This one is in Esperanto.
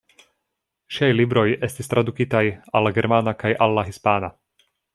Ŝiaj libroj estis tradukitaj al la germana kaj al la hispana.